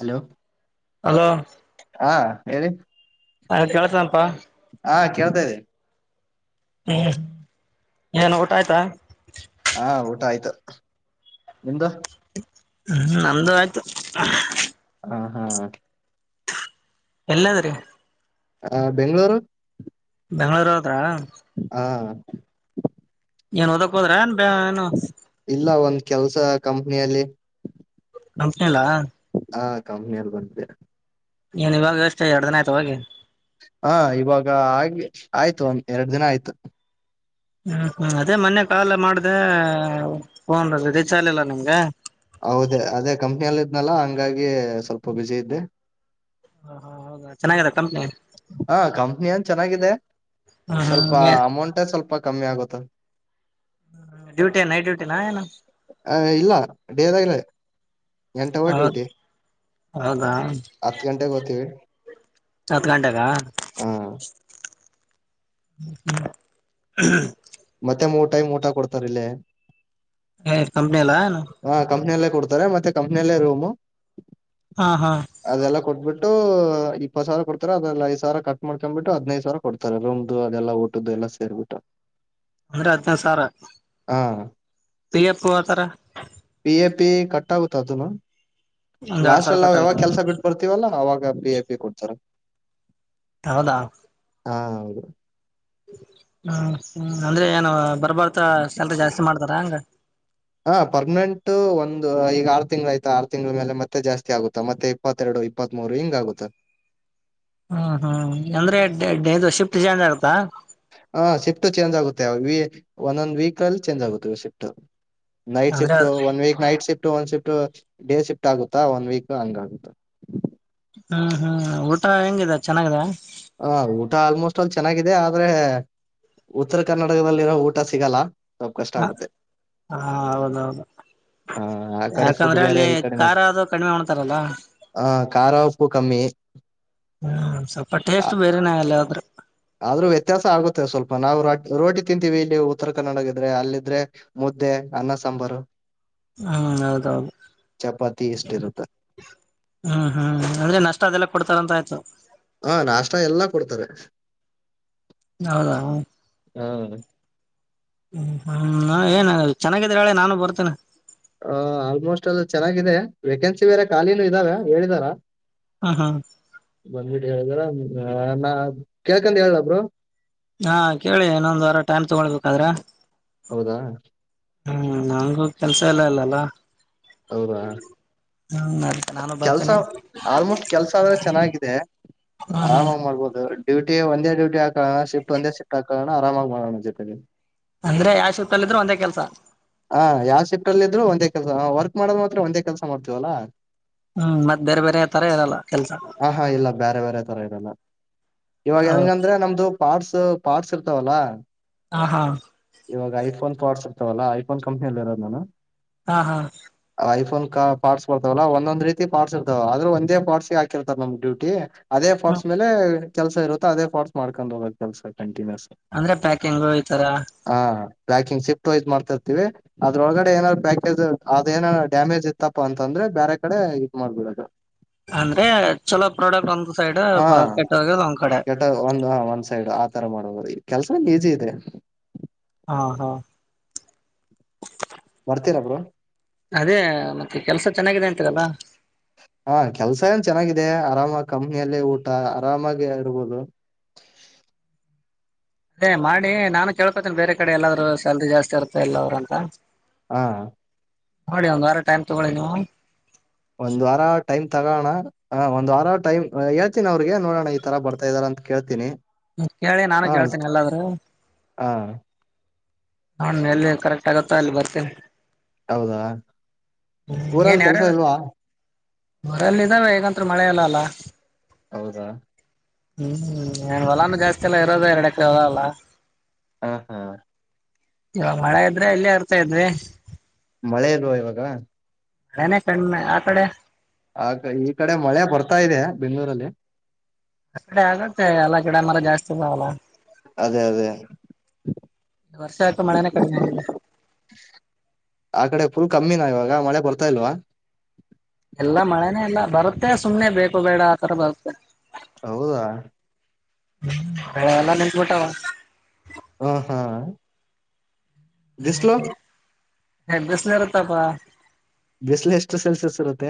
Hello hello ಹಾ ಹೇಳಿ ಹಾ ಕೇಳ್ಸ್ತಾನಪ ಹಾ ಕೇಳ್ತಾದೆ ಹ್ಮ್ ಏನ್ ಊಟ ಆಯ್ತಾ ಹಾ ಊಟ ಆಯ್ತು ನಿಮ್ದು ಹ್ಮ್ ನಮ್ದು ಆಯ್ತು ಹಾ ಹಾ ಎಲ್ಲದ್ರೀ ಆ ಬೆಂಗಳೂರು ಬೆಂಗಳೂರು ಹೋದ್ರಾ ಹಾ ಏನ್ ಓದಕ್ ಹೋದ್ರ ಏನ್ ಬ ಏನು ಇಲ್ಲ ಒಂದು ಕೆಲಸ ಕಂಪನಿಯಲ್ಲಿ ಕಂಪನಲ್ಲ ಹಾ ಕಮ್ಮನಿಯಲ್ಲಿ ಬಂತೆ ಏನ್ ಇವಾಗ ಎಷ್ಟ ಎರಡ್ನ ಆಯ್ತು ಹೋಗಿ ಹಾ ಇವಾಗ ಆ ಆಯ್ತು ಒಂದ್ ಎರಡ್ ದಿನ ಆಯ್ತು ಹ್ಮ್ ಹ್ಮ್ ಅದೇ ಮನ್ನೆ ಕಾಲ ಮಾಡ್ದ ಫೋನ್ ರಿಚಾರ್ಜ್ ನಿಮ್ಗೆ ಹೌದ ಅದೇ ಕಂಪ್ನಿಯಲ್ಲಿ ಇದ್ನಲ್ಲ ಹಂಗಾಗಿ ಸ್ವಲ್ಪ ಬ್ಯುಸಿ ಇದ್ದೆ ಹ ಹಾ ಹೌದಾ ಚೆನ್ನಾಗಿದೆ ಕಂಪ್ನಿ ಹಾ ಕಂಪ್ನಿ ನ್ ಚೆನ್ನಾಗಿದೆ ಹ್ಮ್ ಸ್ವಲ್ಪ ಹ್ಮ್ ಏನ್ ಅಮೌಂಟ್ ಸ್ವಲ್ಪ ಸ್ಪ ಕಮ್ಮಿ ಆಗುತ್ತ ಡ್ಯೂಟಿ ನೈಟ್ ಡ್ಯೂಟಿನಾ ಏನು ಆ ಇಲ್ಲ [unintelligible] ದಾ ಇಲ್ಲ ಎಂಟಾವ ಹೌದ ಡ್ಯೂಟಿ ಹೌದಾ ಹತ್ತು ಗಂಟೆಗೆ ಹೋಗ್ತೀವಿ ಹತ್ತು ಗಂಟೆಗ ಹ ಹ ಹ್ಮ ಮತ್ತೆ ಮೂರು ಟೈಮ್ ಊಟ ಕೊಡ್ತಾರಲ್ಲೇ ಹಯ್ತು ಕಂಪ್ನಿ ಎಲ್ಲಾ ಡ್ತ ಮೆ ಕಂಪ್ನಿಯಲ್ಲ ರೂಮು ಹಾ ಹಾ ಅದೆಲ್ಲ ಕೊಬಿಟ್ಟು ಇಪ್ಪತ್ ಸಾವಿರ ಕೊತಾರೆ ಅದ ಐದ್ವಿರ ಕಟ್ ಮಾಡ್ಕೊ್ಬಟ್ಟು ಹದಿನೈದು ಸಾವರ ಕೊತಾರೆ ರೂಮ್ದು ಅದೆಲ್ಲ ಊಟ್ದ ಎಲ್ಲ ಸೇರ್ಬಟ್ಟು [unintelligible] ಅಂದ್ರೆ ಹದ್ ನೈದು ಸಾವಿರ ಬಿ ಎಪ್ಪು ಆತರ ಪೇ ಕಟ್ಟಾವತದುುಮ್ಮ ಒಂದ್ ಎರಡ್ ಲಾಸ್ಟ್ ಸಾವಿರ ಅಲ್ಲಿ ನಾವ್ ಯಾವಾಗ ಕಟ್ಟಾಗುತ್ತೆ ಕೆಲ್ಸ ಬಿಟ್ಟ ಬರ್ತೀವಲ್ಲ ಅವಾಗ ಪಿ ಎ ಪಿ ಕೊಡ್ತಾರ ಹೌದಾ ಹಾ ಹೌದು ಹ್ಮ್ ಹ್ಮ್ ಅಂದ್ರೆ ಏನು ಬರ್ಬಾರತ ಶಲ್ ಜಾಸ್ತಿ ಮಾಡ್ತಾರ ಹಂಗ ಹ ಪರ್ಮನೆಂಟ್ ಒಂದು ಈಗ ಆರು ತಿಂಗಳ ಆಯ್ತಾ ಆರು ತಿಂಗಂಳ ಮೇಲೆ ಮತ್ತೆ ಜಾಸ್ತಿ ಆಗುತ್ತಾ ಮತ್ತೆ ಇಪ್ಪತ್ತೆರಡು ಇಪ್ಪತ್ತ್ ಮೂರು ಹಿಂಗ ಆಗುತ್ತೆ ಹ್ಮ್ ಹ್ಮ್ ಅಂದ್ರೆ ಇದು ಶಿಫ್ಟ್ ಚೇಂಜ್ ಆಗತಾ ಹಾ ಶಿಫ್ಟ್ ಚೇಂಜ್ ಆಗುತ್ತೆ ಒಂದೊಂದ್ ವೀಕ್ ಅಲ್ಲಿ ಚೇಂಜ್ ಆಗುತ್ತವೆ ಶಿಫ್ಟ್ ನೈಟ್ ಅಂದ್ರೆ shift one week night shift ಒಂದ್ ಶಿಫ್ಟ್ ಡೇ ಶಿಫ್ಟ್ ಆಗುತ್ತಾ ಒನ್ ವೀಕ್ ಹಂಗ ಆಗುತ್ತಾ ಹ್ಮ್ ಹ್ಮ್ ಊಟ ಹೆಂಗಿದೆ ಚೆನ್ನಾಗಾಗಿದೆ ಹ ಊಟ ಆಲ್ಮೋಸ್ಟ್ ಅಲ್ಲಿ ಚೆನ್ನಾಗಿದೆ ಆದ್ರೆ ಉತ್ತರ ಕರ್ನಾಟಕದಲ್ಲಿರೋ ಊಟ ಸಿಗಲ್ಲ ಸ್ವಲ್ಪ ಕಷ್ಟ ಹ ಆಗುತ್ತೆ ಹಾ ಹೌದೌದು ಆ ಆ ಕಡೆ ಫುಡ್ ಯಾಕಂದ್ರೆ ಬೇರೆ ಅಲ್ಲಿ ಖಾರ ಅದು ಕಡಿಮೆ ಹೊಣ್ತಾರಲ್ಲ ಹ ಖಾರ ಉಪ್ಪು ಕಮ್ಮಿ ಹ್ಮ ಸಪಟ್ಟ ಆದ್ರೂ ವ್ಯತ್ಯಾಸ ಆಗುತ್ತೆ ಸ್ವಲ್ಪ ನಾವು ರ ರೋಟಿ ತಿಂತೀವಿ ಇಲ್ಲಿ ಉತ್ತರ ಕನ್ನಡ ಇದ್ರೆ ಅಲ್ಲಿದ್ರೆ ಮುದ್ದೆ ಅನ್ನ ಸಾಂಬಾರು ಹ್ಮ ಹೌದೌದು ಚಪಾತಿ ಎಷ್ಟ ಇರುತ್ತೆ ಹ್ಮ್ ಹ್ಮ್ ಅಂದ್ರೆ ನಷ್ಟ ಅದೆಲ್ಲ ಕೊಡ್ತಾರಂತ ಆಯ್ತು ಹಾ ನಾಷ್ಟ ಎಲ್ಲಾ ಕೊಡ್ತವೆ ಹೌದೌ ಹಾ ಹ್ಮ್ ಹ್ಮ್ ನಾ ಏನ ಚೆನ್ನಾಗಿದ್ರೆ ಹೇಳಳೆ ನಾನು ಬರ್ತೇನೆ ಹ ಆಲ್ಮೋಸ್ಟ್ ಎಲ್ಲ ಚೆನ್ನಾಗಿದೆ ವೇಕೆನ್ಸಿ ಬೇರೆ ಖಾಲಿಿನೂ ಇದ್ದಾವೆ ಹೇಳಿದಾರಾ ಹ್ಮ್ ಹ್ಮ್ ಬಂದ್ಬಿಟ್ಟು ಹೇಳಿದರ ನಾ ಕೇಳ್ಕಂಡ ಹೇಳ್ದಬ್ರು ಹಾ ಕೇಳಿ ಇನ್ನೊಂದ್ ವಾರ ಟೈಮ್ ತಗೊಳ್ಬೇಕಾದ್ರೆ ಹೌದಾ ಹ್ಮ್ ನಂಗೂ ಕೆಲ್ಸ ಎಲ್ಲಾ ಇಲ್ಲಲ್ಲ ಹೌದ ಹ್ಮ್ ಅದಕ್ಕೆ ನಾನು ಕೆಲ್ಸ ಬರ್ತೇನಿ ಆಲ್ಮೋಸ್ಟ್ ಕೆಲ್ಸ ಆದ್ರೆ ಚೆನ್ನಾಗಿದೆ ಹ್ಮ್ ಹ್ಮ್ ಹಾ್ ಮಾಡ್ಬೋದು ಡ್ಯಟ ಒಂದ ಡ್ಯಟ ಹಾಕೋಣ ಶಿಫ್ಟ್ ಒಂದ ಶಿಫ್ಟ್ಾಕೋಣ ಆರಾಮಾಗಿ ಮಾಡೋಣ ಜೊತೆ ಅಂದ್ರೆ ಯಾವ ಶುತ್ತಲ್ಲ ಇದ್ರರು ಒಂದೇ ಕೆಲ್ಸ ಹ ಯಾವ್ ಶಿಫ್ಟ್ ಅಲ್ಲಿ ಇದ್ರು ಒಂದೇ ಕೆಲಸ ವರ್ಕ್ ಮಾಡೋದ್ ಮಾತ್ರ ಒಂದೇ ಕೆಲಸ ಮಾಡ್ತೀವಲ್ಲಾ ಹ್ಮ್ ಮತ್ತೆ ಬೇರೆ ಬೇರೆ ತರ ಇರಲ್ಲ ಕೆಲ್ಸ ರ ಇರಲ್ಲ ಇವಾಗ ಹೆಂಗಂದ್ರೆ ನಮ್ದು ಪಾರ್ಟ್ಸ್ ಪಾರ್ಟಸ್ ಇರ್ತಾವಲ್ಲ ಹಾ ಹಾ ಇವಾಗ ಐಫೋನ್ ಫಾಟ್ಸ್ ಇರ್ತವಲ್ಲ ಐಫೋನ್ ಕಂಪ್ನಿಯಲ್ಲಿ ಇರೋದು ನಾನು ಹಾ ಹಾ ಐಫೋನ್ ಕ ಪ್ಟ್ಸ್ ಬರ್ತವಲ್ಲ ಒಂದೊಂದ ರೀತಿ ಪಾರ್ಟಸ್ ಇರ್ತಾವ ಅವ ಆದ್ರ ಒಂದೇ ಪ್ಟ್ಸ್ಗೆ ಹಕಿರ್ತ ನಮ ್ಯೂಟಿ ಅದೇ ಫೋರ್ಸ್ ಮೇಲೆ ಕೆಲಸ ಇರುತ್ತ ಅದ ಫೋಸ್ ಮಾಡಕೊಂಡ್ ಹೋಗದದು ಕೆಲ್ಸ ಕಂಟಿನ್ಯೂಸ್ ಅಂದ್ರೆ ಪ್ಯಾಕಿಂಗ್ ಈ ತರ ಹ ಪ್ಯಾಕಿಂಗ್ ಶಫ್ಸ್ ಮಾಡ್ತಿರ್ತಿೀವಿ ಅದ್ರೊಳಗಡೆ ಏನಾದ್ ಪ್ಯಾಕೇಜ್ ಅ್ ಏನಾರ್ ಡ್ಯಾಮೇಜ್ ಇತ್ತಪ್ಪ ಅಂತಂದ್ರೆ ಬೇರೆ ಕಡೆ ಇ ಮಾಡ್ಬಿಡದು ಅಂದ್ರೆ ಚಲೋ ಪ್ರಾಡಕ್ಟ್ ಒಂದ್ ಸೈಡ್ ಹಾ ಕೆಟ್ಟೋಗದು ಒಂದ್ ಕಡೆ ಮಾಡ ಕೆಲಸ ಈಜಿ ಇದೆ ಹಾ ಹಾ ಮಾಡಡ್ತೀರಬ್ರು ಅದೇ ಮತ್ತೆ ಕೆಲ್ಸ ಚೆನ್ನಾಗಿದೆ ಅಂತೀರಲ್ಲ ಹಾ ಕೆಲ್ಸ ಏನ್ ಚೆನ್ನಾಗಿದೆ ಆರಾಮ ಕಮ್ಮಿಯಲ್ಲೇ ಊಟ ಆರಾಮಾಗಿ ಇರ್ಬೋದು ಅದೇ ಮಾಡಿ ನಾನು ಕೇಳ್ಕೊತೇನಿ ಬೇರೆ ಕಡೆ ಎಲ್ಲಾದ್ ಸ್ಯಾಲ್ರಿ ಜಾಸ್ತಿ ಇರುತ್ತ ಇಲ್ಲ ಅವ್ರ ಅಂತ ಹಾ ನೋಡಿ ಒಂದ್ ವಾರ ಟೈಮ್ ತಗೊಳ್ಳಿ ನೀವು ಒಂದ್ ವಾರ ಟೈಮ್ ತಗೋಣ ಒಂದ ವಾರ ಟೈಮ್ ಹೇಳ್ತೀನಿ ಅವ್ರಿಗೆ ನೋಡೋಣ ಈ ತರ ಬರ್ತಾ ಇದ್ದಾರೆ ಅಂತ ಕೇಳ್ತೀನಿ ಕೇಳಿ ನಾನು ಹ ಕೇಳ್ತೇನೆ ಎಲ್ಲಾದರು ಹ ನಾನು ಎಲ್ಲಿ ಕರೆಕ್ಟ್ ಆಗತ್ತ ಅಲ್ಲಿ ಬರ್ತೇನೆ ಹೌದಾ ಊರಲ್ಲಿ ಕೆಲ್ಸ ಇಲ್ವಾ ಊರಲ್ಲ ಇದಾವೆ ಹಗಂತ ಮಳೆ ಎಲ್ಲ ಅಲ್ಲ ಹೌದಾ ಹ್ಮಂ ಹೊಲಾನು ಜಾಸ್ತಿ ಅಲ್ಲ ಇರೋದ ಎರಡಕರೆ ಹೊಲ ಅಲ್ಲ. ಹಾ ಹಾ. ಇವಾಗ ಮಳೆ ಇದ್ರೆ ಇಲ್ಲೆ ಇರ್ತಾ ಇದ್ವಿ. ಮಳೆ ಇಲ್ವಾ ಇವಾಗ. ಹಳನ ಕಣ್ಮೆ ಆ ಕಡೆ ಆ ಈ ಕಡೆ ಮಳೆ ಬರ್ತಾ ಇದೆ ಬೆಂಗ್ಳೂರಲ್ಲಿ ಕಡೆ ಆಗತ್ತೆ ಎಲ್ಲ ಗಿಡ ಮರ ಜಾಸ್ತಿ ಇದ್ದಾವಲ್ಲ ಅದೇ ಅದೇ ವರ್ಷ ಆಯ್ತು ಮಳೆನೇ ಕಡಿಮೆ ಆಗಿದೆ ಆ ಕಡೆ ಪುಲ್ ಕಮ್ಮಿ ನ ಬಾಗ ಮಳೆ ಬರ್ತಾ ಇಲ್ವಾ ಎಲ್ಲಾ ಮಳೆನೇ ಇಲ್ಲ ಬರುತ್ತೆ ಸುಮ್ನೆ ಬೇಕು ಬೇಡ ಆತರ ಬರುತ್ತೆ ಹೌದಾ ಎಲ್ಲ ನಿನ್ತ್ ಬಿಟ್ಟಾವ ಹ ಹಾ ದಿಸಲ ಹೇ ಬಿಸಿಲು ಇರುತಪ್ಪ. ಬಿಸಲು ಎಷ್ಟು ಸೆಲ್ಸಿಯಸ್ ಇರುತ್ತೆ.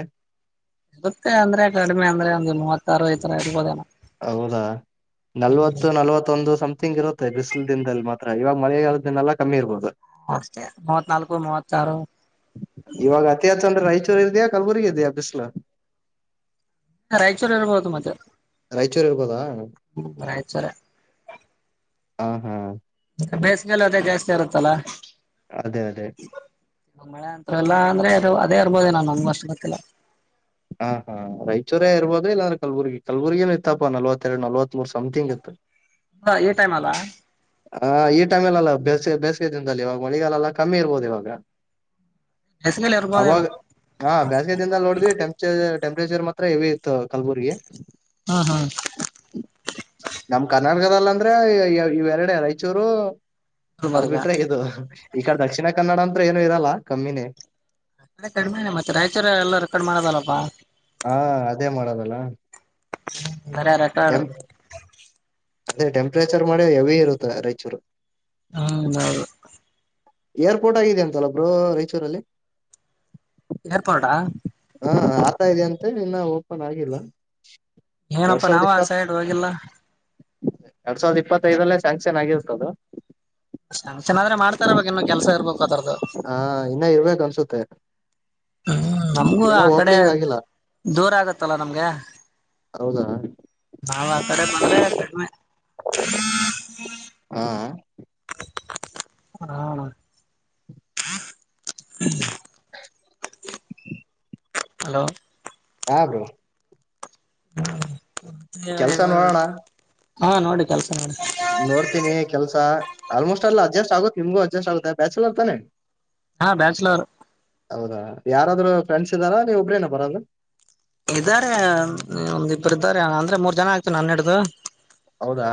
ಇವತ್ತೆ ಅಂದ್ರೆ ಕಡಿಮೆ ಅಂದ್ರೆ ಒಂದು ಮೂವತ್ತಾರು ಈ ತರ ಇರ್ಬೋದೇನೋ. ಹೌದಾ ನಲ್ವತ್ತು ನಲ್ವತ್ತೊಂದು ಸಂಥಿಂಗ್ ಇರುತ್ತೆ ಬಿಸಿಲು. ದಿನದಲ್ಲಿ ಮಾತ್ರ ಇವಾಗ ಮಳೆಗಾಲ ಇದೆನಲ್ಲ ಕಮ್ಮಿ ಇರ್ಬೋದು. ಅಷ್ಟೇ ಮೂವತ್ನಾಲ್ಕು ಮೂವತ್ತಾರು. ಇತರ ಇದೆಯ ಕಲ್ಬುರ್ಗಿ ಇದೆಯ ಬಿಸಿಲು. ರಾಯಚೂರು ಇರಬಹುದು ಮತ್ತೆ. ರಾಯಚೂರು ಇರ್ಬೊದ. ಸರೆ. ಹಾ ಹಾ. ಬೇಸಗೆಲು ಅದೇ ಜಾಸ್ತಿ ಇರುತ್ತಲ್ಲಾ. ಅದೇ ಅದೇ. ಮಳೆ ಅಂತ್ರು ಅಲ್ಲ ಅಂದ್ರೆ ಅದು ಅದೇ ಇರ್ಬೋದೇನೋ ನಂಗೂ ಅಷ್ಟು ಗೊತ್ತಿಲ್ಲ. ಹಾ ಹಾ ರಾಯಚೂರೇ ಇರ್ಬೋದು ಇಲ್ಲಾಂದ್ರೆ ಕಲ್ಬುರ್ಗಿ ಕಲ್ಬುರ್ಗಿನು ಇತ್ತಪ್ಪಾ ನಲ್ವತ್ತೆರಡು ನಲವತ್ಮೂರು ಸಂಥಿಂಗ್ ಇತ್ತು. ಅಬ್ಬಾ ಈ ಟೈಮಲ್ಲಾ. ಹಾ ಈ ಟೈಮಲಲ್ಲ ಬೇಸಗೆ ಬೇಸಿಗೆ ದಿನದಲ್ಲಿ ಇವಾಗ ಮಳಿಗಾಲ ಅಲ್ಲ ಕಮ್ಮಿ ಇರ್ಬೋದು ಇವಾಗ. ಬೇಸಿಗೆಲಿ ಅವಾಗ ಇರ್ಬೋದೇನೋ ಹಾ ಬ್ಯಾಸಗೆ ದಿನದಲ್ಲಿ ನೋಡಿದ್ವಿ ಟೆಂಪರೇಚರ್ ಮಾತ್ರ ಹೆವಿ ಇತ್ತು ಕಲ್ಬುರ್ಗಿ. ಹ್ಮ್ ಹ್ಮ್ ನಮ್ ಕರ್ನಾಟಕದಲ್ಲಿ ಅಂದ್ರೆ ಇವೆರಡೆ ರಾಯಚೂರು. ಅದ್ ಗುಲ್ಬರ್ಗ ಬಿಟ್ರೆ ಇದು ಈ ಕಡೆ ದಕ್ಷಿಣ ಕನ್ನಡ ಅಂತ್ರು ಏನು ಇರಲ್ಲ ಕಮ್ಮಿನೇ. ಅದೆ ಕಡಿಮಿನೆ ಮತ್ತೆ ರಾಯಚೂರು ಎಲ್ಲಾರೂ ಕಡಿಮೆ ಆಗೋದಲಪ್ಪಾ. ಹಾ ಅದೇ ಮಾಡೋದಲ್ಲ. ಬರೆ ರೆಕಾರ್ಡ್. ಅದೆ ಟೆಂಪ್ರೇಚರ್ ಮಾಡೇ ಹೆವಿ ಇರುತ್ತೆ ರಾಯಚೂರು. ಹೌದೌದು. ಏರ್ಪೋರ್ಟ್ ಆಗಿದೆ ಅಂತಲ್ಲ ಬ್ರೊ ರಾಯಚೂರಲ್ಲಿ. ಏರ್ಪೋರ್ಡಾ. ಹಾ ಆಗ್ತಾ ಇದೆ ಅಂತೆ ಇನ್ನ ಓಪನ್ ಆಗಿಲ್ಲ. ಏನಪ್ಪಾ ನಾವ ಆ ಸೈಡ್ ಹೋಗಿಲ್ಲ. ಎರೆಡುಸಾವಿರದ ಇಪ್ಪತ್ತೈದರಲ್ಲೆ ಸ್ಯಾಂಕ್ಷನ್ ಆಗಿರುತದು. [unintelligible] ಚೆನ್ನಾಗಾದ್ರೆ ಮಾಡ್ತಾರೆ ಅವಾಗ ಇನ್ನು ಕೆಲ್ಸ ಇರ್ಬೇಕು ಅದರ್ದು. ಹಾ ಇನ್ನ ಇರ್ಬೇಕ ಅನ್ಸುತ್ತೆ. ಹ್ಮ್ ನಮ್ಗೂ ಇನ್ನ ಆ ಕಡೆ ಓಪನಿಂಗ್ ಆಗಿಲ್ಲ ದೂರ ಆಗತ್ತಲ್ಲ ನಮ್ಗೆ. ಹೌದಾ ನಾವು ಆ ಕಡೆ ಬಂದ್ರೆ ಕಡಿಮೆ. ಹಾ. ಹಾ ಹ ಹಲೋ ಹಬ್ರೋ ಕೆಲ್ಸ ನೋಡೋಣ [unintelligible] ಹಾ ನೋಡಿ ಕೆಲ್ಸ ನೋಡಿ. ನೋಡ್ತೀನಿ ಕೆಲ್ಸ ಆಲ್ಮೋಸ್ಟ್ ಆಲ್ ಅಡ್ಜಸ್ಟ್ ಆಗುತ್ತೆ ನಿಮ್ಗೂ ಅಡ್ಜಸ್ಟ್ ಆಗುತ್ತೆ ಬ್ಯಾಚುಲರ್ತಾನೆ. ಹಾ ಬ್ಯಾಚುಲರ್. ಹೌದಾ ಯಾರಾದ್ರರು ಫ್ರೆಂಡ್ಸ್ ಇದ್ದಾರಾ ನೀವ್ ಒಬ್ರೆನಾ ಬರೋದು. ಇದ್ದಾರೆ ಒಂದಿಬ್ಬರು ಇದ್ದಾರೆ ಅಂದ್ರೆ ಮೂರ್ ಜನ ಆಗ್ತಾರೆ ನನ್ನಿಡಿದು. ಹೌದಾ.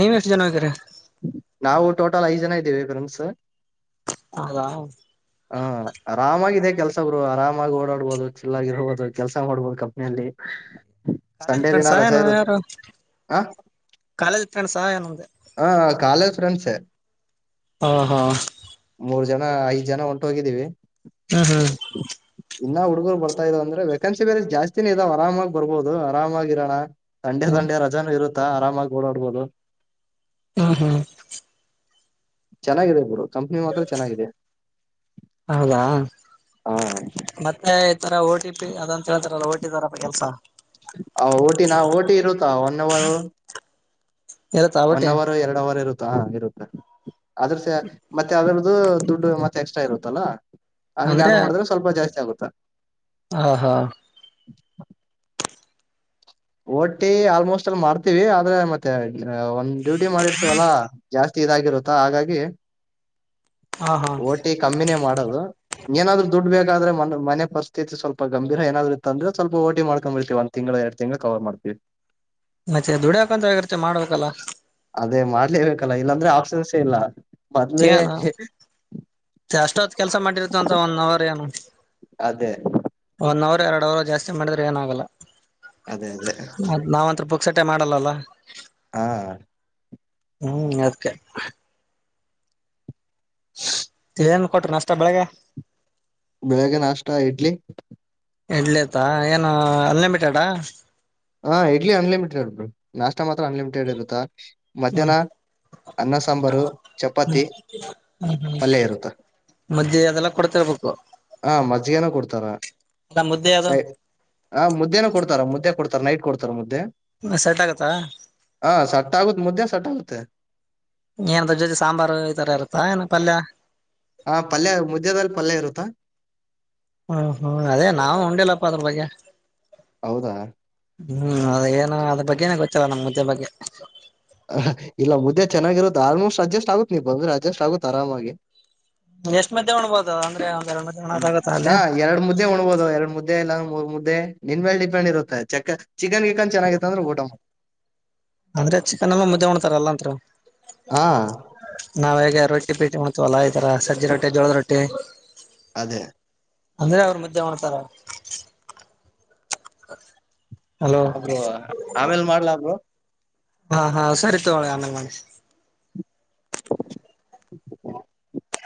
ನೀವ್ ಎಷ್ಟು ಜನ ಹೋಗ್ಯಾರೆ. ನಾವು ಟೋಟಲ್ ಐದ್ ಜನ ಇದ್ದೇವಿ ಫ್ರೆಂಡ್ಸು. ಹೌದಾ ಹ ಆರಾಮಾಗಿದೆ. ಕೆಲ್ಸ ಬ್ರೊ ಆರಾಮಾಗಿ ಓಡಾಡ್ಬಹುದು ಚಿಲ್ಲಾಗಿರ್ಬಹುದು ಕೆಲ್ಸ ಮಾಡ್ಬೋದು ಕಂಪನಿಲಿ. ಕಾಲೇಜ್ ಫ್ರೆಂಡ್ಸ ಏನು ಯಾರು ಆ ಕಾಲೇಜ್ ಫ್ರೆಂಡ್ಸ ಏನಂದೆ ಹಾ ಕಾಲೇಜ್ ಫ್ರೆಂಡಸರ್ ಹಾ ಹಾ ಮೂರ್ ಜನ ಐದ್ ಜನ ಹೊಂಟು ಹೋಗಿದ್ದೀವಿ ಹ್ಮ್ ಹ್ಮ್ ಇನ್ನ ಹುಡುಗರು ಬರ್ತಾ ಇದವ ಅಂದ್ರೆ ವೇಕೆನ್ಸಿ ಬೇರೆ ಜಾಸ್ತಿನ ಇ ಇದಾವ ಆರಾಮಾಗಿ ಬರ್ಬಹುದು ಆರಾಮಾಗಿರೋಣ ತಂಡೆ ಹ್ಮ್ ತಂಡೆ ರಜಾನೂ ಇರುತ್ತಾ ಆರಾಮಾಗಿ ಓಡಾಡ್ಬೋದು ಹಾ ಹಾ ಚೆನ್ನಾಗಿದೆ ಬುರು ಕಂಪ್ನಿ ಮಾತ್ರ ಚೆನ್ನಾಗಿದೆ ಹೌದಾ ಹಾ ಮತ್ತೆ ರ ಟಿ ಪಿ ಅದಂತ ಹೇಳ್ತಾರಲ್ಲ ಟಿ ತರಪ್ಪ ಕೆಲ್ಸ ಹ ಓಟಿ ನಾ ಓಟಿ ಇರುತ್ತಾ ಒನ್ ಅವರ್ ಇರುತ್ತಾ ಒನ್ ಓಟಿ ಅವರ್ ಎರಡು ಅವರ್ ಇರುತ್ತ ಹ ಇರುತ್ತೆ ಆದ್ರಸ ಮತ್ತೆ ಅದ್ರ್ದು ದುಡ್ಡು ಮತ್ತೆ ಎಕ್ಸ್ಟ್ರ ಇರುತ್ತಲ್ಲಾ ಹಂಗಗೆ ಆಡು ಮಾಡಿದ್ರೆ ಸ್ವಲ್ಪ ಜಾಸ್ತಿ ಆಗುತ್ತಾ ಹಾ ಹಾ ಓಟಿ ಆಲ್ಮೋಸ್ಟ್ ಎಲ್ ಮಾಡ್ತೀವಿ ಆದ್ರೆ ಮತ್ತೆ ಒಂದ್ ಡ್ಯೂಟಿ ಮಾಡಿರ್ತವಲ್ಲಾ ಜಾಸ್ತಿ ಇದಾಗಿರುತ್ತ ಹಾಗಾಗಿ ಹ ಹಾ ಓಟಿ ಕಮ್ಮಿನೇ ಮಾಡೋದು ಏನಾದ್ರು ಡ್ ಬೇಕಾದ್ರೆ ಮನೆ ಪರಿಸ್ಥಿ ಸ್ವಲ್ ಗಭೀರ ಏನಾದರು ಅಂದ್ರ ಸ್ವಲ್ಪ ಓಟ ಮಾಡ್ಕೊಂಬಿರ್ತಿ ಒ್ ತಿಂಗಳ ಎರ ತಿಂಗ್ ಕವರ್ ಮಾಡ್ತೀವಿ ಮತ್ತೆ ದುಡಿಯಕಂತ ಹೋಗಿರ್ತಿ ಮಾಡ್ಬೇಕಲ್ಲ ಅದೇ ಮಾಡ್ಲೇಬೇಕಲ್ಲ ಇಲ್ಲಾಂದ್ರೆ ಆಕ್ಸನ್ ಲ್ಲ ಏನು ಎಷ್ಟೊತ್ ಕೆಲ್ಸ ಮಾಡಿರ್ತ ಅಂತ ಒಂದ ಅವರ ಏನು ಅದೇ ಒಂದು ಅವರ್ ಎರಡು ಅವರ್ ಜಾಸ್ತಿ ಮಾಡಿದೆ ಏನಾಗಲ್ಲ ಅದೇ ಅದೇ ಎಸಟೆ ಮಾಡಲ್ಲಲ್ಲ ಹಾ ಹ್ಮ್ ಅದ್ಕ ಏಏನ್ ಕೊಟರು ಅಷ್ಟ ಬೆಳಗ್ ಬೇಗನ್ ನಷ್ಟಾ ಇಡ್ಲಿ ಇಡ್ಲಿತ ಏನು ಅನ್ಲಿಮಿಟೆಡಾ ಹಾ ಇಡ್ಲಿ ಅನ್ಲಿಮಿಟೆಡ್ಬ ನಾಸ್ ತ್ರ ಅನ್ಲಿಮಿಟೆಡ್ ಇರುತ್ತ ಮಧ್ಯಾಹ್ನ ಅನ್ನ ಸಾಂಬಾರು ಚಪಾತಿ ಹ್ಮ್ ಹ್ಮ್ ಮತ್ತೆ ಅದೆಲ್ಲ ಕೊಡ್ತಿರ್ಬೇಕು ಹಾ ಮಜ್ಜಿಗೆನ ಕೊಡ್ತ ಅಲ್ಲ ಮುದ್ದೆ ಅದು ಸ ಹ ಮುದ್ದೆನ ಕೊಡ್ತಾರ ಮುದ್ದೆ ಕೊಡ್ತಾರ ನೈಟ್ ಕೊಡ್ತಾರ ಮುದ್ದೆ ಸೆಟ್ ಆಗತ್ತಾ ಅದೇ ಹ ಸಟ್ ಆಗುತ್ತ ಮುದ್ದೆ ಸಟ್ ಆಗುತ್ತೆ ಏನ ಆದರ ಜೊತೆ ಸಾಂಬಾರು ಈ ತರ ಇರುತ್ತಾ ಏನ ಪಲ್ಯ ಹಾ ಪಲ್ಯ ಮುದ್ದದಲ್ಲಿ ಪಲ್ಯ ಇರುತ್ತಾ ಹ್ಮ್ ಹ್ಮ್ ಅದೇ ನಾವು ಉಂಡಲ್ಲಪ್ಪ ಅದ್ರ ಬಗ್ಗೆ ಹೌದಾ ಹ್ಮ್ ಅದ ಏನ ಅದ ಬಗ್ಗೆನ ಗೊತ್ತಲ್ಲ ನಮ್ ಮುದ್ದೆ ಬಗ್ಗೆ ಹ ಇಲ್ಲ ಮುದ್ದೆ ಚೆನ್ನಾಗಿರೋದು ಆಲ್ಮೋಸ್ಟ್ ಅಡ್ಜಸ್ಟ್ ಆಗುತ್ತ ನೀವ್ ಬಂದ್ರೆ ಅಡ್ಜಸ್ಟ್ ಆಗುತ್ತತ್ ಆರಾಮಾಗಿ ಎಷ್ಟ ಮಧ್ಯೆಣ್ಬಹದು ಅ ಅಂದ್ರೆ ಉಣದಾಗತ್ತ ಹ ಅಲ್ಲಿ ಎರಡ್ ಮುದ್ದೆ ಉಣಬಹದು ಎರಡ್ ಮುದ್ದೆ ಮುದ್ದೆ ನಿನ್ ಮೇಲೆ ಡಿಪೆಂಡ್ ಇರುತ್ತೆ ಚ ಚಿಕನ್ ಚಿಕನ್ ಚೆನ್ನಾಗಿತ್ತ ಅಂದ್ರೆ ಊಟಮ್ಮ ಅಂದ್ರೆ ಚಿಕನ್ಮ್ಮ ಮುದ್ದೆ ಹೊಣ್ತಾರಲ್ಲಂ ಹಾ ನಾವ್ ಹೇಗೆ ರಿ ರೊಟ್ಟಿ ಪೇಟೆ ಮಾಡ ಅ ಎಲ್ಲಾ ಈ ತರ ಸಜ್ಜೆ ರೊಟ್ಟಿ ಜೋಳದ ರೊಟ್ಟಿ ಅದೇ ಅಂದ್ರೆ ಅವ್ರ ಮುದ್ದೆ ಮಾಡ್ತಾರೆ ಹ ಬ್ರೋ ಆಮೇಲ್ ಮಾಡ್ಲಾ ಬ್ರೋ ಹಾ ಹಾ ಸರಿ ತಕೊಳ್ಳಿ ಆಮೇಲೆ ಮಾಡ್ರಿ [unintelligible]